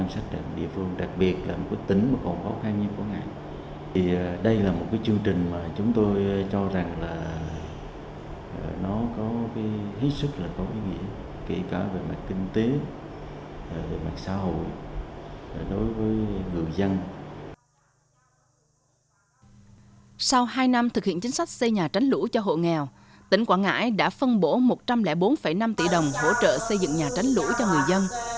sau hai năm thực hiện chính sách xây nhà tránh lũ cho hộ nghèo tỉnh quảng ngãi đã phân bổ một trăm linh bốn năm tỷ đồng hỗ trợ xây dựng nhà tránh lũ cho người dân